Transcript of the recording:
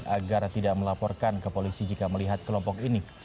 agar tidak melaporkan ke polisi jika melihat kelompok ini